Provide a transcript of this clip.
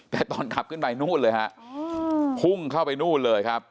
แต่ตอนขับขึ้นไปนู่นเลยฮะพุ่งเข้าไปนู่นเลยครับ